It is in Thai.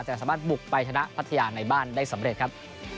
แต่สามารถบุกไปชนะพัทยาในบ้านได้สำเร็จครับ